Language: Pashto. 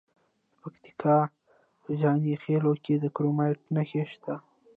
د پکتیکا په جاني خیل کې د کرومایټ نښې شته.